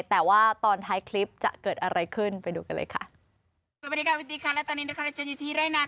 แต่ว่าตอนท้ายคลิปจะเกิดอะไรขึ้นไปดูกันเลยค่ะ